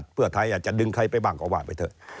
เพื่อไทยอาจจะดึงใครไปบ้างก็ว่าไปเถอะ